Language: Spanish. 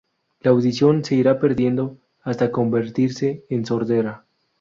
La audición se irá perdiendo, hasta convertirse en sordera.